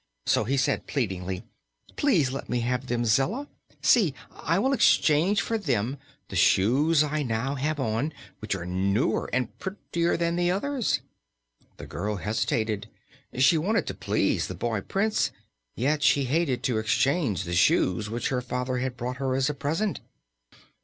So he said, pleadingly: "Please let me have them, Zella. See! I will exchange for them the shoes I now have on, which are newer and prettier than the others." The girl hesitated. She wanted to please the boy Prince, yet she hated to exchange the shoes which her father had brought her as a present.